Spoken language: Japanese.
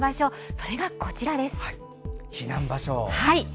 それがこちら、避難場所。